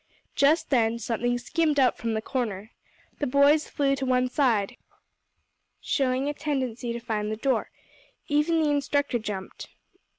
Just then something skimmed out from the corner; the boys flew to one side, showing a tendency to find the door. Even the instructor jumped.